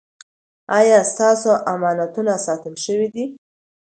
ایا ستاسو امانتونه ساتل شوي دي؟